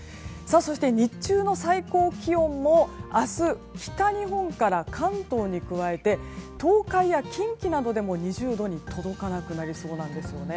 そして、日中の最高気温も明日北日本から関東に加えて東海や近畿などでも２０度に届かなくなりそうなんですね。